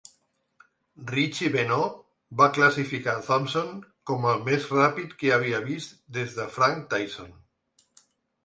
Richie Benaud va classificar Thomson com el més ràpid que havia vist des de Frank Tyson.